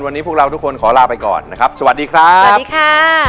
วันนี้พวกเราทุกคนขอลาไปก่อนนะครับสวัสดีครับสวัสดีค่ะ